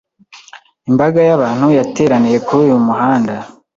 Imbaga y'abantu yateraniye kuri uyu muhanda.